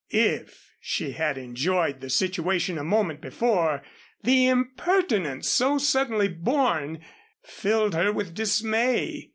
If she had enjoyed the situation a moment before, the impertinence, so suddenly born, filled her with dismay.